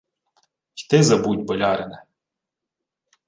— Й ти забудь, болярине.